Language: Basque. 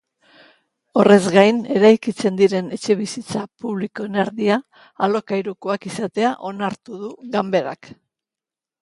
Horrez gain, eraikitzen diren etxebizitza publikoen erdia alokairukoak izatea onartu du ganberak.